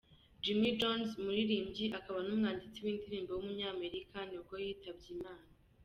Jimmy Jones, umuririmbyi akaba n’umwanditsi w’indirimbo w’umunyamerika nibwo yitabye Imana.